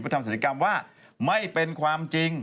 ทำศัลยกรรมว่าไม่เป็นความจริง